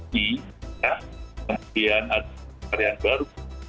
kepada kesehatan baru